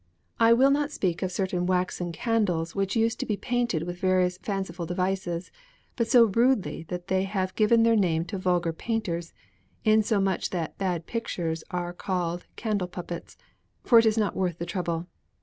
I will not speak of certain waxen candles which used to be painted with various fanciful devices, but so rudely that they have given their name to vulgar painters, insomuch that bad pictures are called "candle puppets"; for it is not worth the trouble.